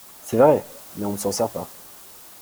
C’est vrai ! mais on ne s’en sert pas…